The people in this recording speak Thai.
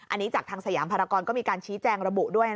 อันนี้จากทางสยามภารกรก็มีการชี้แจงระบุด้วย